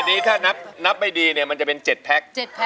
อันนี้ถ้านับไม่ดีเนี่ยมันจะเป็น๗แพ็ค